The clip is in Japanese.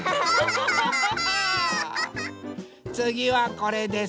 つぎはこれです。